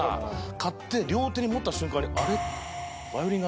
買って両手に持った瞬間に。